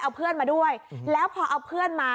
เอาเพื่อนมาด้วยแล้วพอเอาเพื่อนมา